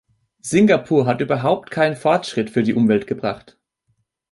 Singapur hat überhaupt keinen Fortschritt für die Umwelt gebracht!